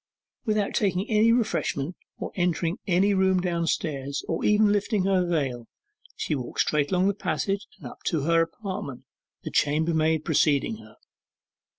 Without taking any refreshment, or entering any room downstairs, or even lifting her veil, she walked straight along the passage and up to her apartment, the chambermaid preceding her.